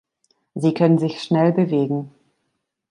Sie können sich schnell bewegen.